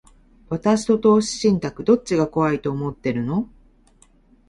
私と投資信託、どっちが怖いと思ってるの？